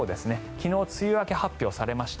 昨日、梅雨明け発表されました。